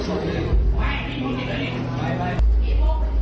โอ้โฮ